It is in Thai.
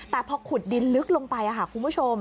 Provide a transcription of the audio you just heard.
แต่พอขุดดินลึกลงไปค่ะคุณผู้ชม